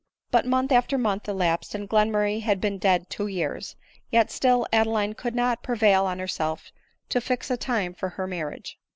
But month after month elapsed, and Glenmurray had been dead two years, yet still Adeline could not "prevail on herself to fix a time for her, marriage.